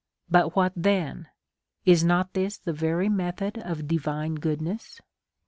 But what then ? Is not this the very method of divine goodness ?